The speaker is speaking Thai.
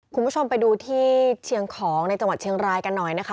คุณผู้ชมไปดูที่เชียงของในจังหวัดเชียงรายกันหน่อยนะคะ